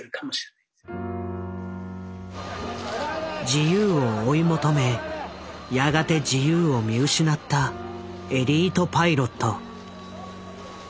自由を追い求めやがて自由を見失ったエリートパイロット。